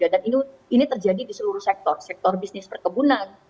dan ini terjadi di seluruh sektor sektor bisnis perkebunan